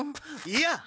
いや！